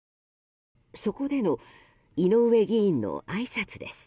そこでの井上議員のあいさつです。